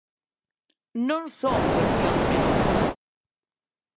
Non son cuestión menores.